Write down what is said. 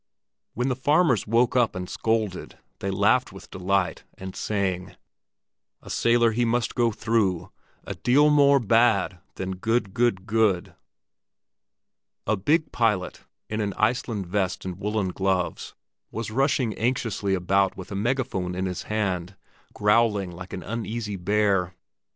When the farmers woke up and scolded, they laughed with delight, and sang— "A sailor he must go through A deal more bad than good, good, good!" A big pilot, in an Iceland vest and woollen gloves, was rushing anxiously about with a megaphone in his hand, growling like an uneasy bear.